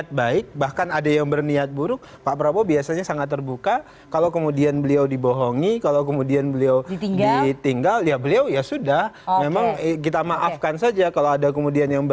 tidak khawatir kalau misalnya